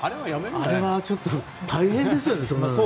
あれはちょっと大変ですよね。